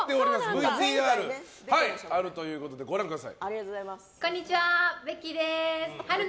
ＶＴＲがあるということでご覧ください。